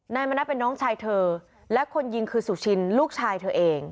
มณัฐเป็นน้องชายเธอและคนยิงคือสุชินลูกชายเธอเอง